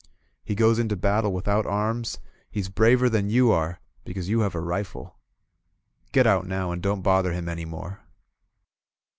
He goes into battle without arms, he's braver than you are, be cause you have a rifle. Get out now, and don't bother him any more!"